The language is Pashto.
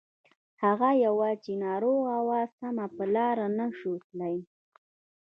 هغه يوه چې ناروغه وه سمه په لاره نه شوه تللای.